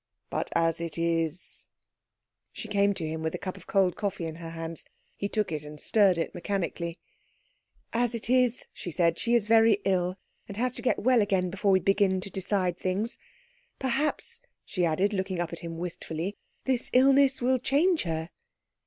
"But as it is ?" She came to him with a cup of cold coffee in her hands. He took it, and stirred it mechanically. "As it is," she said, "she is very ill, and has to get well again before we begin to decide things. Perhaps," she added, looking up at him wistfully, "this illness will change her?"